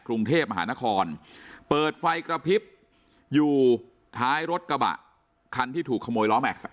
กรุงเทพมหานครเปิดไฟกระพริบอยู่ท้ายรถกระบะคันที่ถูกขโมยล้อแม็กซ์